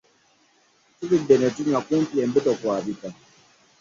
Tulidde ne tunywa kumpi embuto kwabika.